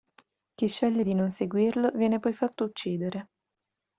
Chi sceglie di non seguirlo viene poi fatto uccidere.